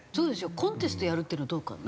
コンテストやるっていうのはどうかな？